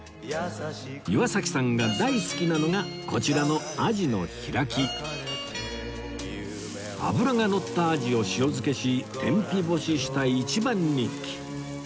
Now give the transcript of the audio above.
岩崎さんが大好きなのがこちらの脂がのったアジを塩漬けし天日干しした一番人気